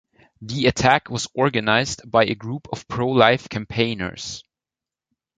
The attack was organised by a group of pro-life campaigners.